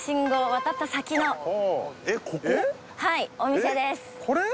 はいお店ですこれ？